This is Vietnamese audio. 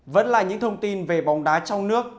vẫn là những thông tin về bóng đá trong nước